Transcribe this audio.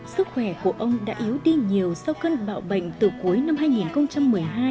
sức khỏe của ông đã yếu đi nhiều sau cơn bão bệnh từ cuối năm hai nghìn một mươi hai